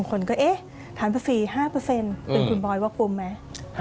คนก็เอ๊ะฐานภาษี๕เป็นคุณบอยว่าคุ้มไหม